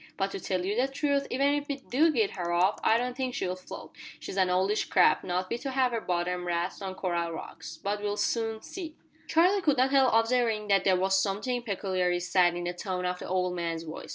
But to tell you the truth even if we do git her off I don't think she'll float. She's an oldish craft, not fit to have her bottom rasped on coral rocks. But we'll soon see." Charlie could not help observing that there was something peculiarly sad in the tone of the old man's voice.